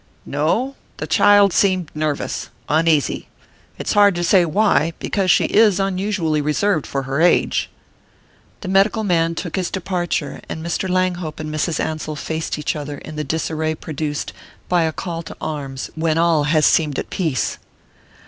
"No? The child seemed nervous, uneasy. It's hard to say why, because she is unusually reserved for her age." The medical man took his departure, and Mr. Langhope and Mrs. Ansell faced each other in the disarray produced by a call to arms when all has seemed at peace.